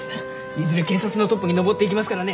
いずれ警察のトップに上っていきますからね。